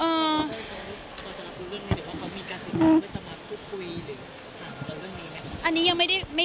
แล้วจะรับคุยหรือถามเรื่องนี้ไหม